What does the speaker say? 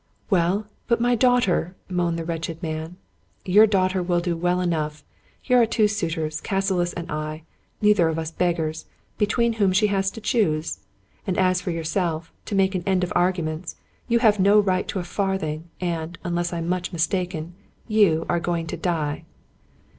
" Well, but my daughter," moaned the wretched man. " Your daughter will do well enough. Here are two suit ors, Cassilis and I, neither of us beggars, between whom she has to choose. And as for yourself, to make an end of argu ments, you have no right to a farthing, and, unless I'm much mistaken, you are going to die."